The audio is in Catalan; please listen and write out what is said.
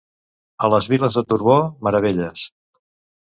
A les Viles de Turbó, meravelles.